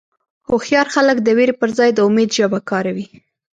هوښیار خلک د وېرې پر ځای د امید ژبه کاروي.